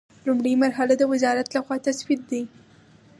لومړۍ مرحله د وزارت له خوا تسوید دی.